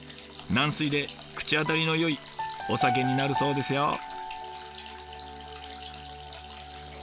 軟水で口当たりのよいお酒になるそうですよ。